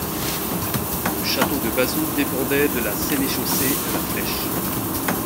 Le château de Bazouges dépendait de la sénéchaussée de La Flèche.